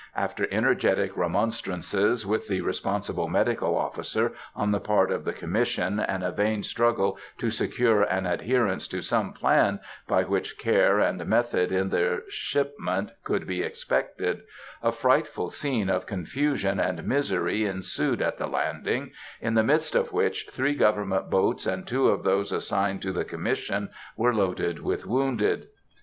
After energetic remonstrances, with the responsible medical officer, on the part of the Commission, and a vain struggle to secure an adherence to some plan by which care and method in their shipment could be expected, a frightful scene of confusion and misery ensued at the landing, in the midst of which three government boats and two of those assigned to the Commission were loaded with wounded.